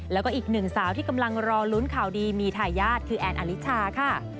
แล้วก็อีกหนึ่งสาวที่กำลังรอลุ้นข่าวดีมีทายาทคือแอนอลิชาค่ะ